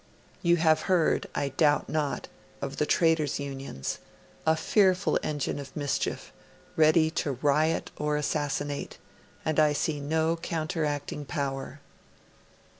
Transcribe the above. You have heard, I doubt not, of the Trades Unions; a fearful engine of mischief, ready to not or to assassinate; and I see no counteracting power.'